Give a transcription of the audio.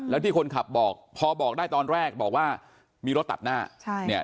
แล้วที่คนขับบอกพอบอกได้ตอนแรกบอกว่ามีรถตัดหน้าใช่เนี่ย